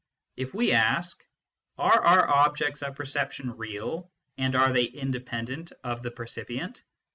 If we ask :" Are our objects of perception real and are they independent of the per cipient